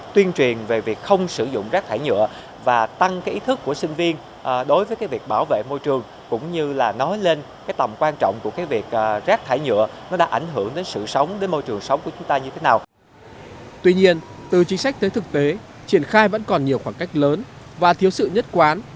tuy nhiên từ chính sách tới thực tế triển khai vẫn còn nhiều khoảng cách lớn và thiếu sự nhất quán